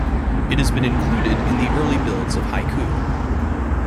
It has been included in the early builds of Haiku.